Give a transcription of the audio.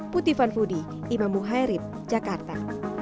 puti fanfudi imam muhairib jakarta